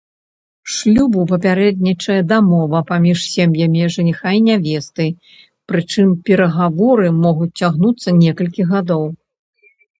Шлюбу папярэднічае дамова паміж сем'ямі жаніха і нявесты, прычым перагаворы могуць цягнуцца некалькі гадоў.